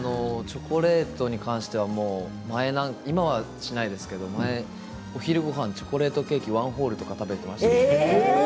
チョコレートに関しては今はしないですけれども前は、お昼ごはんにチョコレートケーキワンホールとか食べていました。